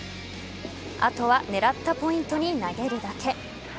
あとは狙ったポイントに投げるだけ。